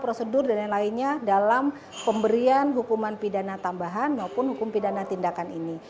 prosedur dan lain lainnya dalam pemberian hukuman pidana tambahan maupun hukum pidana tindakan ini